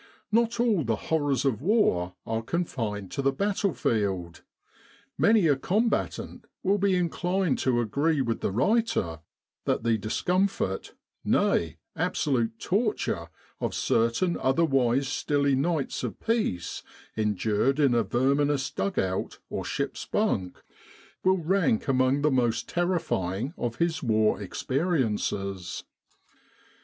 Not all the horrors of war are confined to the battlefield ; many a combatant will be inclined to agree with the writer that the discomfort, nay, absolute torture, of certain otherwise stilly nights of peace endured in a verminous dug out or ship's bunk, will rank among the most terrifying of his war experiences.